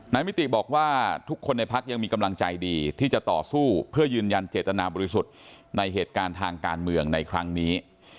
มิติบอกว่าทุกคนในพักยังมีกำลังใจดีที่จะต่อสู้เพื่อยืนยันเจตนาบริสุทธิ์ในเหตุการณ์ทางการเมืองในครั้งนี้